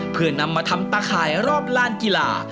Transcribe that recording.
เพื่อนำมาทำตาข่ายรอบลานกีฬา